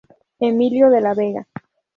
Emilio de la Vega.